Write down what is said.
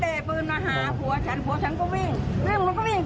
เรื่องมันก็วิ่งตามไปยิง